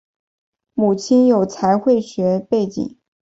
母亲有财会学背景。